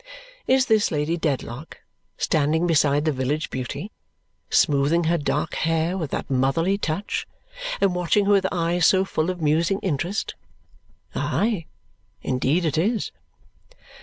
Is this Lady Dedlock standing beside the village beauty, smoothing her dark hair with that motherly touch, and watching her with eyes so full of musing interest? Aye, indeed it is!